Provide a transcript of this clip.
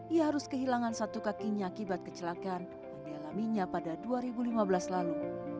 ia harus kehilangan satu kakinya akibat kecelakaan yang dialaminya pada dua ribu lima belas lalu